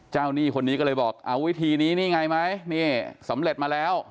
หนี้คนนี้ก็เลยบอกเอาวิธีนี้นี่ไงไหมนี่สำเร็จมาแล้ว